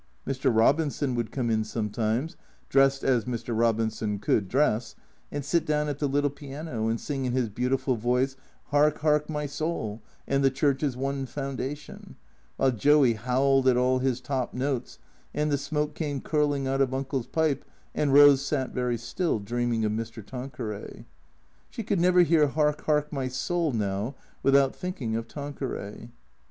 Mr. Robinson would come in sometimes, dressed as Mr. Robinson could dress, and sit down at the little piano and sing in his beautiful voice, " 'Ark, 'Ark, my Soul," and " The Church's one Foundation," while Joey howled at all his top notes, and the smoke came curling out of Uncle's pipe, and Rose sat very still dreaming of Mr. Tanqueray. (She could never hear "Hark, Hark, my Soul," now, without thinking of Tan queray.